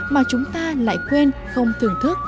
mà chúng ta lại quên không thưởng thức